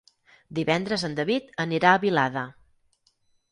Divendres en David anirà a Vilada.